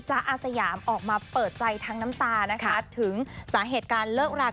อาสยามออกมาเปิดใจทั้งน้ำตานะคะถึงสาเหตุการเลิกรา